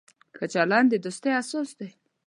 ښه چلند د دوستۍ اساس دی.